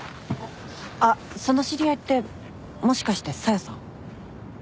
あっその知り合いってもしかして小夜さん？